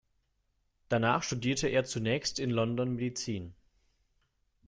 Danach studierte er zunächst in London Medizin.